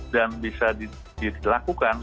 dan bisa dilakukan